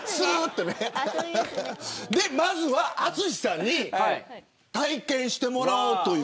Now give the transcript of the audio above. まずは淳さんに体験してもらおうという。